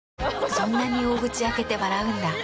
そんなに大口開けて笑うんだ。